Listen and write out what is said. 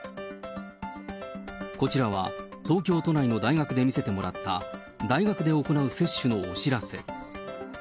こちらは東京都内の大学で見せてもらった、大学で行う接種のお知らせ。